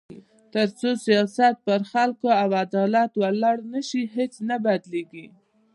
تر څو سیاست پر خلکو او عدالت ولاړ نه شي، هیڅ نه بدلېږي.